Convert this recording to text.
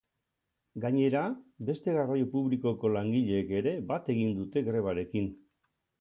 Gainera, beste garraio publikoko langileek ere bat egin dute grebarekin.